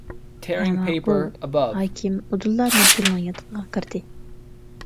-ھە ماقۇل ھاكىم ئۇدۇللا نۇرگۈلنىڭ ياتىقىغا كىردى.